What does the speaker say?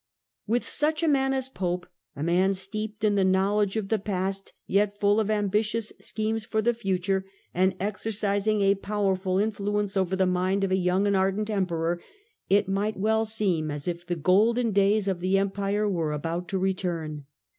With such a man as Pope, a man steeped in the knowledge of the past, yet full of ambitious schemes for the future, and exercising a powerful I THE SAXON EMPERORS 21 influence over the mind of a yonng and ardent Emperor, it might well seem as if the golden days of the Empire were ahout to return.